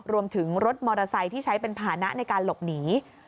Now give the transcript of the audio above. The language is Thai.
รถมอเตอร์ไซค์ที่ใช้เป็นภานะในการหลบหนี